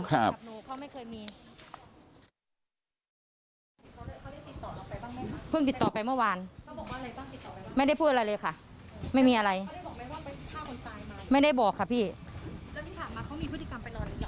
แล้วพี่ถามมาเขามีพฤติกรรมเป็นอะไรอย่างกับผู้หญิงแบบนี้บ้างมั้ยคะ